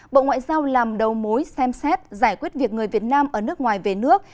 bộ ngoại giao làm đầu mối xem xét giải quyết việc người việt nam ở nước ngoài về nước